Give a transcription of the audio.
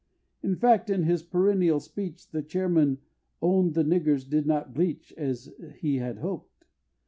In fact in his perennial speech, The Chairman own'd the niggers did not bleach, As he had hoped.